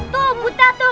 tuh buta tuh